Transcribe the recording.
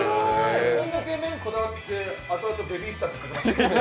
こんだけ麺こだわって、後々ベビースターかけますから。